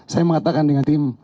saya mengatakan dengan tim